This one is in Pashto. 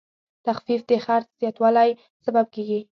تخفیف د خرڅ زیاتوالی سبب کېږي.